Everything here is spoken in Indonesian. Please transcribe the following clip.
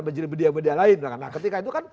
menjadi bedia bedia lain nah ketika itu kan